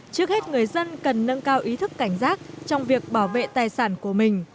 trước hết người dân cần nâng cao ý thức cảnh giác trong việc bảo vệ tài sản của mình